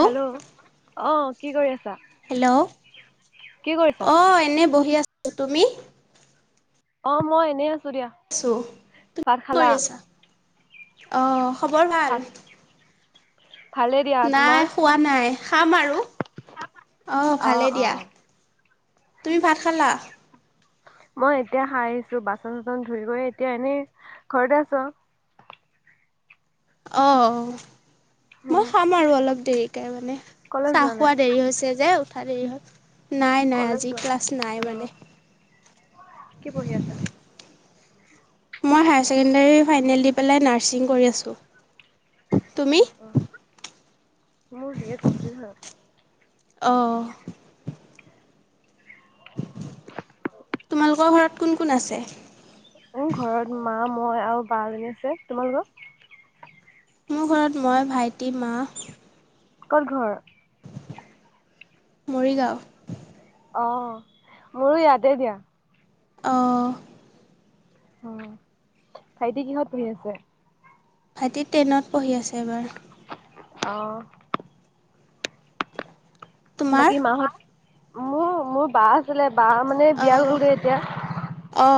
Hello অ কি কৰি আছ। হেল্ল' কৰিছা অ এনে বহি আছো তুমি- অ মই এনেই আছো। দিয়া ছ তুমি ভাত কি খালা কৰি আছা অ খবৰ ভাত ভাল- ভালেই দিয়া নাই তোমাৰ খোৱা নাই খাম আৰু আহ অ ভালেই অ দিয়া। তুমি ভাত খালা? মই এতিয়া খাই আহিছো বাচন চাচন ধুৰি কৰি এতিয়া এনেই ঘৰতে আছো অ মই উম খাম আৰু অলপ দেৰিকে মানে কলেজ যোৱা চাহ নাই খোৱা দেৰি হৈছে যে উঠা দেৰি হল। নাই নাই কলেজ আজি যোৱা ক্লাছ নাই অ মানে কি পঢ়ি আছা মই হায়াৰ ছেকেণ্ডেৰী ফাইনেল দি পেলাই নাৰ্ছিং কৰি আছোঁ। তুমি অ অ মোৰ বি এ কমপ্লিট হল। অ' তোমালোকৰ ঘৰত কোন কোন আছে। মোৰ ঘৰত মা মই আৰু বা এজনি আছে তোমাৰলোকৰ মোৰ ঘৰত মই ভাইটি মা কত ঘৰ? মৰিগাঁও অ মোৰো ইয়াতে দিয়া অহ উ ভাইটি কিহত পঢ়ি আছে? ভাইটি টেনত পঢ়ি আছে এবাৰ। অহ তোমাৰ বাকী মাহত মোৰ মোৰ বা আছিলে। বা মানে অ বিয়া হলগৈ এতিয়া অ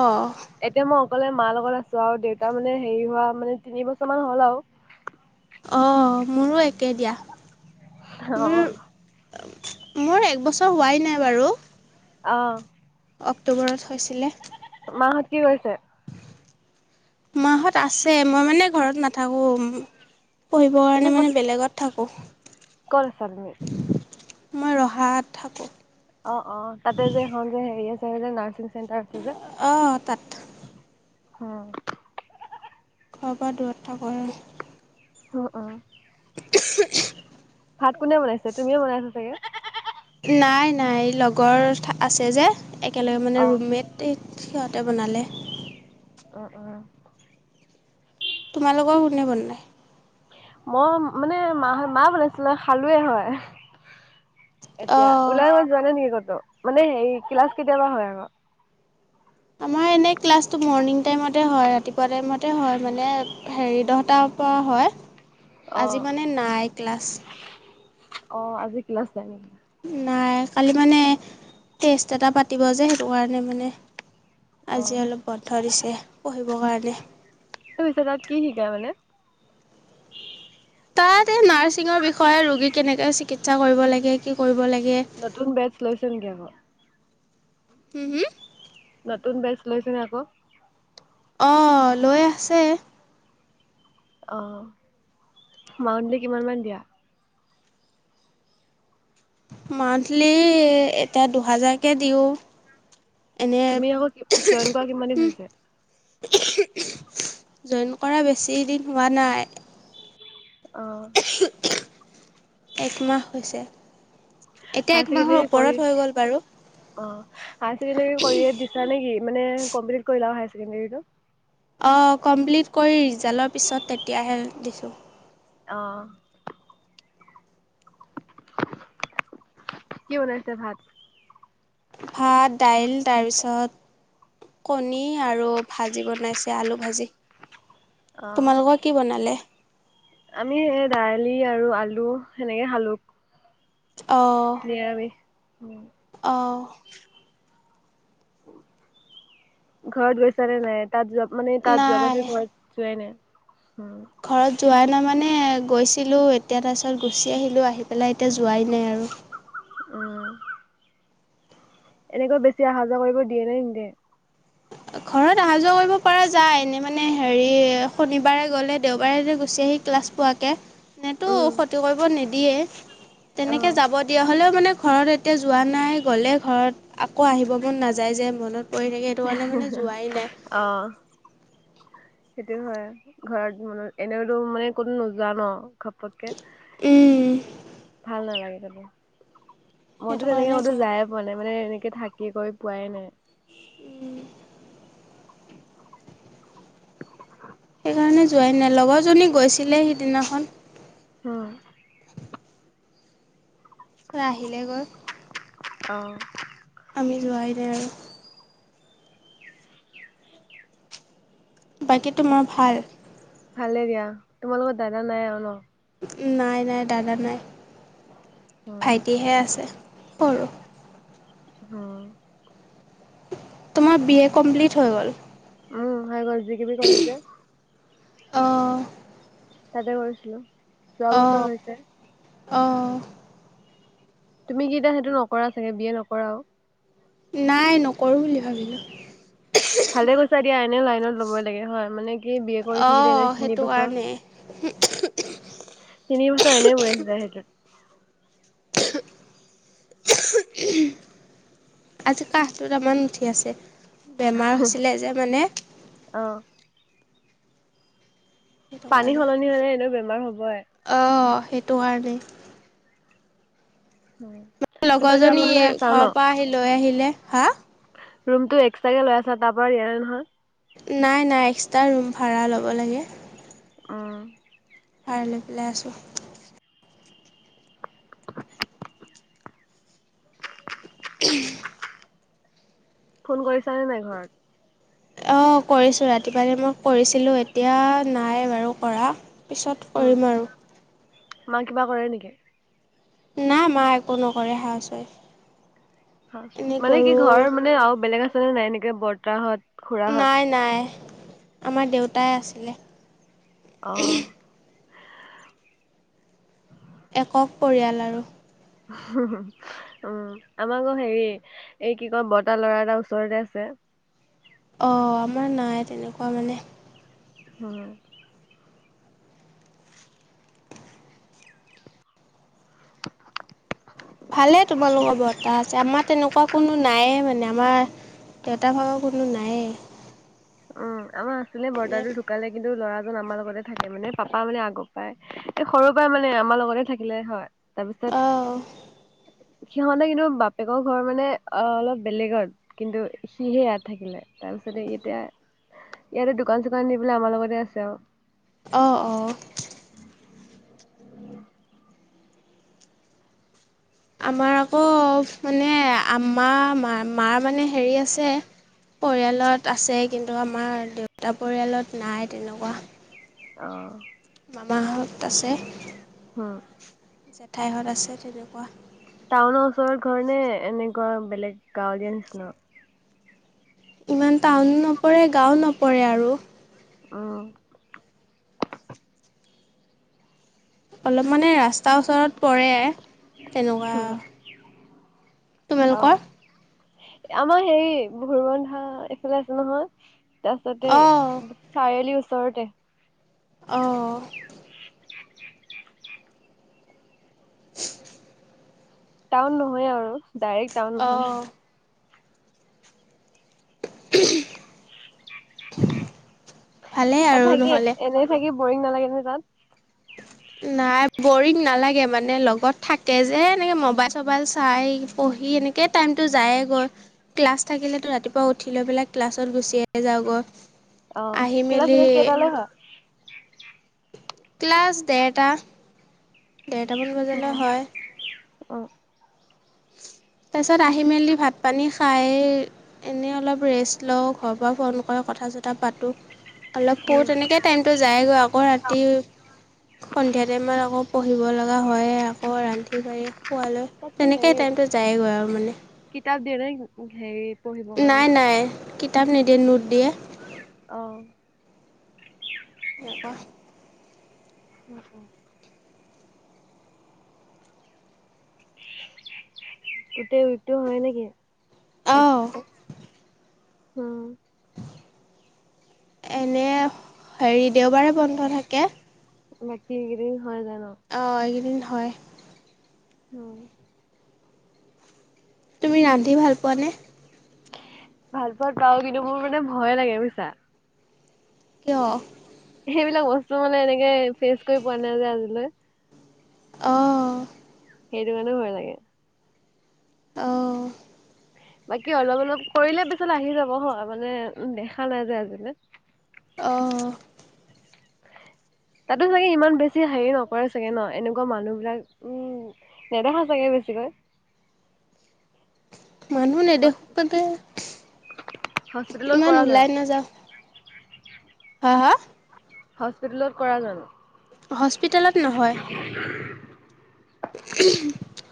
এতিয়া মই অকলে মাৰ লগত আছো আৰু দেউতা মানে হেৰি হোৱা মানে তিনি বছৰ মান হ'ল আও। অ মোৰো একে দিয়া। মোৰ অ মোৰ একবছৰ হোৱাই নাই বাৰু। অ অক্টোবৰত হৈছিলে। মাহত কি কৰিছে মাহঁত আছে মই মানে ঘৰত নাথাকোঁ। পঢ়িবৰ তুমি কাৰণে ক'ত মানে বেলেগত থাকোঁ। ক'ত আছা তুমি। মই ৰহাত থাকো। অ অ তাতে যে এখন যে হেৰি আছে যে নাৰ্ছিং চেণ্টাৰ আছে যে। অ তাত। উম ঘৰ পৰা দূৰত থাকো উ অ অ উমহু উম ভাত কোনে বনাইছে তুমিয়ে বনাইছা চাগে নাই নাই লগৰ আছে যে একেলগে মানে অ', ৰুমমেট সিহঁতে বনালে। অ উ তোমালোকৰ কোনে বনাই। মই মানে মা মা বনাইছিলে খালোয়ে হয়। এতিয়া অঁ ওলাই যোৱা নাই নেকি কতো মানে হেৰি ক্লাছ কেতিয়াবা হয় আকৌ। আমাৰ এনে ক্লাছটো মৰ্ণিং টাইমতে হয় ৰাতিপুৱা টাইম তে হয় মানে হেৰি দহটাৰ পৰা হয়। আজি অ'। মানে নাই ক্লাছ। অ আজি ক্লাছ নাই। নাই কালি মানে টেষ্ট এটা পাতিব যে সেইটো কাৰণে মানে আজি অ' অলপ বন্ধ দিছে পঢ়িবৰ কাৰণে। টিউচনত কি শিকাই মানে তাত এই নাৰ্চিঙৰ বিষয়ে ৰোগী কেনেকে চিকিৎসা কৰিব লাগে কি কৰিব লাগে। নতুন বেচ লৈছে নেকি আকৌ হম হম নতুন বেচ লৈছেনে আকৌ অ লৈ আছে অহ মাউনটো কিমান মান দিয়া মান্থলি এতিয়া দুহাজাৰকে দিওঁ। এনে তুমি আকৌ জইন কৰা কিমান দিন হৈছে জইন কৰা বেছি দিন হোৱা নাই। অ' একমাহ হৈছে। এতিয়া একমাহৰ ওপৰত হৈ গ'ল বাৰু। অহ হাইছেকেণ্ডাৰী কৰি দিছা নেকি মানে কমপ্লিট কৰিলা এটো অঁ কমপ্লিট কৰি ৰিজাল্টৰ পিছত তেতিয়াহে দিছোঁ। অ কি বনাইছে ভাত ভাত দাইল তাৰপিছত কণী আৰু ভাজি বনাইছে আলু ভাজি। অ' তোমালোকৰ কি বনালে? আমি সেই দাইল আৰু আলু সেনেকে খালো। অ উম অ। ঘৰত গৈছ নে নাই? তাত জ্বব মানে তাত জ্বব আছে নাই ঘৰত যোৱাই নাই। উম, ঘৰত যোৱা নাই মানে গৈছিলোঁ, এতিয়া তাৰপিছত গুচি আহিলোঁ। আহি পেলাই এতিয়া যোৱাই নাই আৰু। উ এনেকৈ বেছি অহা যোৱা কৰিব দিয়ে নে নিদিয়ে? ঘৰত অহা যোৱা কৰিব পৰা যায়। এনে মানে হেৰি শনিবাৰে গ'লে দেওবাৰে গুচি আহ- হি ক্লাছ পুৱাকে এনেটো উম, খতি কৰিব নিদিয়ে। তেনেকে অ', জাব দিয়া হলো মানে ঘৰত এতিয়া যোৱা নাই, গ'লে ঘৰত আকৌ আহিব মন নাযায় যে মনত পৰি থাকে, সেইটো কাৰনে। অ। সেইটো হয়, ঘৰত মান এনেওতো মানে কোনো নোযোৱা ন? ঘপককে উম ভাল নালাগে যাব। মইতো সেইটো তেনেকে কাৰণে মইতো যোৱা যায়ে পোৱা নাই, মানে এনেকে থাকি কৰি পোৱাই নাই। উম। সেই কাৰণে যোৱাই নাই, লগৰজনী গৈছিলে সিদিনাখন। হম। ৰাহিলে গ'ল অঁ। আমি যোৱাই নাই আৰু। বাকী তোমাৰ ভাল? ভালে দিয়া। তোমালোকৰ দাদা নাই আৰু ন? নাই নাই দাদা নাই, উম, ভাইটিহে আছে। কৰো হম। তোমাৰ বি এ কমপ্লিট হৈ গ'ল? উম হৈ গল। [unintelligible] কৰিম যে অহ। তাতে কৰিছিলো। যোৱা বছৰ হৈছে। অঁ। তুমি কি এতিয়া সেইটো নকৰা চাগে বি এ নকৰা? নাই নকৰো বুলি ভাবিলো। ভালে কৈছা দিয়া, এনে লাইনত ল'বই লাগে হয় মানে। সি বি এ কৰি থাকিলে অঁ দেখোন সেইটো এইবছৰ। কাৰণে তিনি বছৰ এনেই গৈ আছে যা সেইটোত। [unintelligible] আজি কাহটো তামান উঠি আছে। বেমাৰ হৈছিলে যে মানে অ সেইটো পানী কাৰণে সলনি হলে এনেও বেমাৰ হবই। অহ সেইটো কাৰণে। মোৰ তোমালোকে লগৰজনী ৰুম লৈ আছা ঘৰৰ পৰা আহি লৈ আহিলে। হা? ৰুম টো এক্সট্ৰাকে লৈ আছা তাৰ পৰা দিয়া নাই নহয়। নাই- নাই এক্সট্ৰা ৰোম ভাড়া ল'ব লাগে। অহ। ভাড়া লৈ পেলাই আছোঁ। [unintelligible] ফোন কৰিছানে নাই ঘৰত? অ', কৰিছোঁ, ৰাতিপুৱালে মই কৰিছিলো এতিয়া নাই বাৰু কৰা। পিছত উম কৰিম আৰু। মা কিবা কৰে নেকি? নাই মা একো নকৰে হাউচ -ৱাইফ। এনেই মানে কি গৰু ঘৰৰ মানে আৰু বেলেগ আছেনে নাই এনেকে বৰ্তাহত? খুৰাহত? নাই-নাই আমাৰ দেউতাই আছিলে। অহ একক পৰিয়াল আৰু। [unintelligible] উম, আমাৰ আকৌ হেৰি এই কি কয় বৰ্তা লৰা এটা ওচৰতে আছে। [inaudible] অ' আমাৰ নাই তেনেকুৱা মানে। হ' ভালে তোমালোকৰ বৰ্তা আছে আমাৰ তেনেকুৱা কোনো নাইয়ে মানে আমাৰ দেউতা ভাগৰ কোনো নাইয়ে। উম, আমাৰ আছিলে বৰ্তাটো ঢুকালে কিন্তু ল'ৰা আমাৰ লগতে থাকে মানে, পাপা মানে আগত পাই সৰুৰ পৰা মানে আমাৰ লগতে থাকিলে হয়। তাৰপিছত অ', সিহঁতে কিন্তু বাপেকৰ ঘৰ মানে অ' অলপ বেলেগতকিন্তু, সিহে ইয়াত থাকিলে তাৰছত ই এতিয়া ইয়াতে দোকান-চোকান দি পেলাই আমাৰ লগতে আছে আৰু। অ', - অ', আমাৰ আকৌ মানে আমা মাৰ মানে হেৰি আছে। পৰিয়ালত আছে কিন্তু আমাৰ দেউতা পৰিয়ালত নাই তেনেকুৱা। অহ মামাহত আছে হম। জেঠাইহত আছে তেনেকুৱা টাউনৰ ওচৰত ঘৰণে এনেকুৱা বেলেগ গাঁৱলীয়া নিচিনা? ইমান টাউন নপৰে, গাঁও নপৰে আৰু। অহ অলপ মানে ৰাস্তাৰ ওচৰত পৰে তেনেকুৱা তোমালোকৰ? অ' আমাৰ হেৰি ভোৰ বন্ধা এইফালে আছে নহয় তাছতে অ', চাৰিআলিৰ ওচৰতে। অহ [inaudible] টাউন নহয় আৰু ডাইৰেক্ট টাউন নহয় অ', আৰু। [unintelligible] ভালেই তাত আৰু থাকি নহলে। এনে থাকি বৰিং নালাগে নহয় তাত? নাই বৰিং নালাগে মানে লগত থাকে যে এনেকে মবাইল চবাইল চাই পঢ়ি কেনেকৈ টাইমটো যায়েইগৈ। ক্লাছ থাকিলেতো ৰাতিপুৱা উঠি লৈ পেলাই ক্লাছত গুচিয়ে যাওঁগৈ। অ' আহি ক্লাছ মেলি এনেই কেইটা লৈ হয়? ক্লাছ ডেৰটা, ডেৰটামান বজালৈ হয়। অঁ। তাৰপিছত আহি মেলি ভাত পানী খাই এনেই অলপ ৰেষ্ট লওঁ, ঘৰৰ পৰা ফোন কৰে। কথা চথা পাতোঁ। অলপ সৰু উম। তেনেকৈ টাইমটো যায়গৈ আকৌ ৰাতি সন্ধিয়া টাইমত আকৌ। পঢ়িব লগা হয়। আকৌ ৰান্ধি বাঢ়ি খোৱালৈ তাততো তেনেকেই টাইমটো পাই গৈ আৰু মানে। দে ন হে [unintelligible] নাই, নাই কিতাপ নিদিয়ে, নোট দিয়ে। অ। পৱাহ [unintelligible] উ অ গোটেই টো হয় নেকি এক অঁ সপ্তাহ এনে হেৰি দেওবাৰে বন্ধ থাকে মতি হ গৰে [unintelligible] অ এইকেইদিন হয় উম তুমি ৰান্ধি ভাল পোৱানে ভাল পোৱাত পাও কিন্তু মোৰ মানে ভয়ে লাগে বুজিছা কিয় সেইবিলাক বস্তু মানে এনেকে ফেচ কৰি পোৱা নাই যে আজিলৈ আহ সেইটো মানে ভয় লাগে আহ বাকী অলপ অলপ কৰিলে পিছত আহি যাব হয় মানে দেখা নাই যে আজিলৈ আহ তাতো চাগে ইমান বেছি হেৰি নকৰে চাগে ন এনেকুৱা মানুহ বিলাক উম নেদেখা চাগে বেছিকৈ [inaudible] মানুহ নেদেখো পাওতে হস্পিতেলত ইমান কৰা ওলাই জানো নাযাওঁ হা হস্পিতেলত কৰা জানো হস্পিটেলত নহয়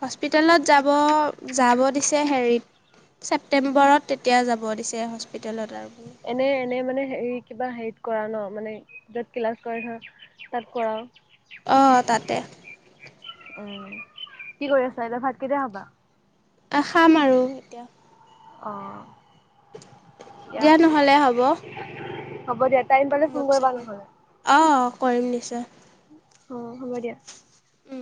হস্পিতেলত যাব যাব দিছে হেৰিত ছেপটেম্বৰত তেতিয়া যাব দিছে হস্পিতেলত আৰু এনে এনে মানে হেৰি কিবা হেৰিত কৰা ন মানে য'ত ক্লাছ কৰে ধৰ তাত কৰাওঁ অঁ তাতে উম কি কৰি আছা এতিয়া ভাত কেতিয়া খাবা [unintelligible] আহখাম আৰু এতিয়া অ দ দিয়া হ'ব দিয়া টাইম পালে ফোন কৰিবা নহ'লে। অ কৰিম নিশ্চয় অঁ হ'ব দিয়া উম